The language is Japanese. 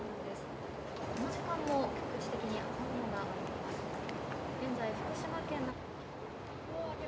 この時間も局地的に雨雲があります。